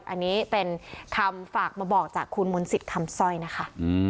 อันนี้เป็นคำฝากมาบอกจากคุณมนต์สิทธิ์คำสร้อยนะคะ